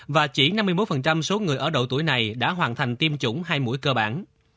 và chỉ năm mươi một số người ở độ tuổi này đã hoàn thành tiêm chủng hai mũi cơ bản